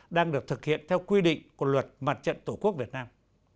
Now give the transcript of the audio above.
đang được thực hiện theo quy định của luật mặt trận tổ quốc việt nam